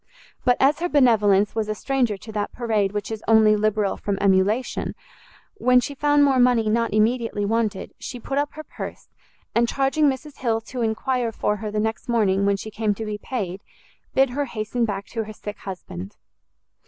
But as her benevolence was a stranger to that parade which is only liberal from emulation, when she found more money not immediately wanted, she put up her purse, and charging Mrs Hill to enquire for her the next morning when she came to be paid, bid her hasten back to her sick husband.